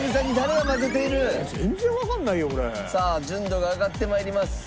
さあ純度が上がってまいります。